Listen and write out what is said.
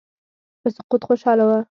په سقوط خوشاله وه.